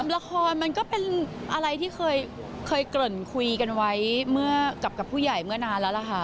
ละครมันก็เป็นอะไรที่เคยเกริ่นคุยกันไว้เมื่อกับผู้ใหญ่เมื่อนานแล้วล่ะค่ะ